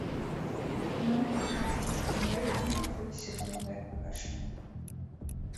Among the cast were the American actress Susan Webb Cushman.